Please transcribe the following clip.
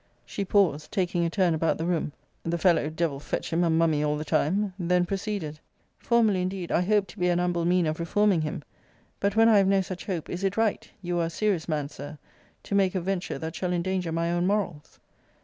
She paused, taking a turn about the room the fellow, devil fetch him, a mummy all the time: Then proceeded. Formerly, indeed, I hoped to be an humble mean of reforming him. But, when I have no such hope, is it right [you are a serious man, Sir] to make a venture that shall endanger my own morals?